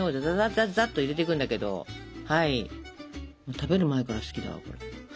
食べる前から好きだわこれ。